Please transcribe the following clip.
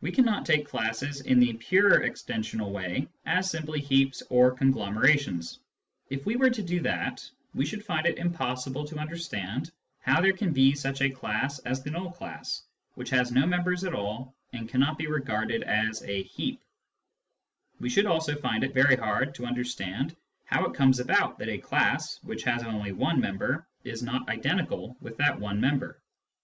We cannot take classes in the pure extensional way as simply heaps or conglomerations. If we were to attempt to do that, we should find it impossible to understand how there can be such a class as the null class, which has no members at all and cannot be regarded as a " heap "; we should also find it very hard to understand how it comes about that a class which has only one member is not identical with that one member.